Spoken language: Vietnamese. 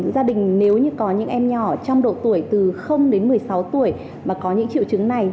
gia đình nếu như có những em nhỏ trong độ tuổi từ đến một mươi sáu tuổi mà có những triệu chứng này